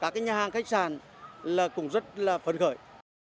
cả nhà hàng khách sạn cũng rất là phần khởi